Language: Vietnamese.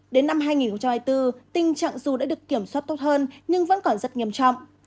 đến năm hai nghìn hai mươi bốn tình trạng dù đã được kiểm soát tốt hơn nhưng vẫn còn rất nghiêm trọng